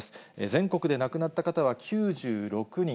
全国で亡くなった方は９６人。